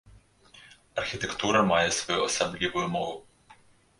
Архітэктура мае сваю асаблівую мову.